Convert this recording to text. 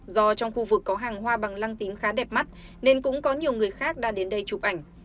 do trong khu vực có hàng hoa bằng lăng tím khá đẹp mắt nên cũng có nhiều người khác đã đến đây chụp ảnh